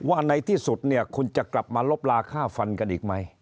ว่าในที่สุดเนี่ยคุณจะกลับมาลบลาค่าฟันกันอีกไหม